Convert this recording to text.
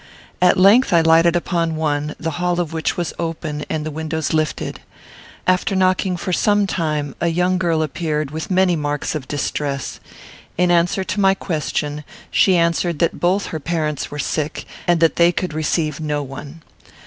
At length I lighted upon one, the hall of which was open and the windows lifted. After knocking for some time, a young girl appeared, with many marks of distress. In answer to my question, she answered that both her parents were sick, and that they could receive no one.